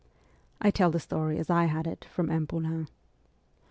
(I tell the story as I had it from M. Poulain.)